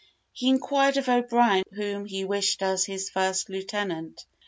He inquired of O'Brien whom he wished as his first lieutenant.